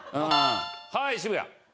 はい渋谷。